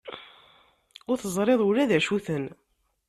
Ur teẓriḍ ula d acu-ten.